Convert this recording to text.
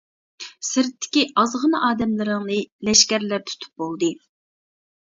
سىرتتىكى ئازغىنە ئادەملىرىڭنى لەشكەرلەر تۇتۇپ بولدى.